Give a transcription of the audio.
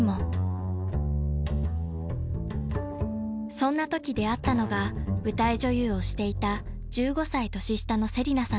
［そんなとき出会ったのが舞台女優をしていた１５歳年下の瀬里菜さんでした］